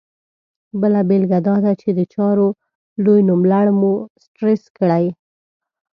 بله بېلګه دا ده چې د چارو لوی نوملړ مو سټرس کړي.